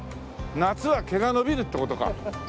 夏は毛が伸びるって事か。